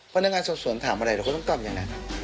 พนักงานสอบสวนถามอะไรเราก็ต้องตอบอย่างนั้น